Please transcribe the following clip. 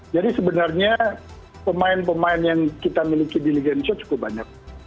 jadi sebenarnya pemain pemain yang kita miliki di liga indonesia cukup banyak